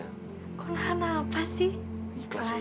kok nahan nafas sih